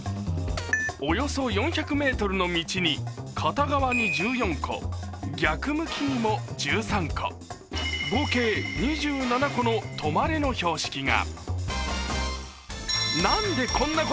およそ４００ｍの道に片側に１４個、逆向きにも１３個、合計２７個の「止まれ」の標識が。